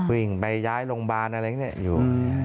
วิ่งไปย้ายโรงพยาบาลอะไรอย่างนี้อยู่